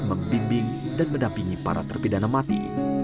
membimbing dan mendampingi para terpidana mati